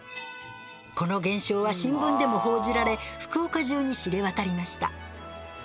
この現象は新聞でも報じられ福岡中に知れ渡りました。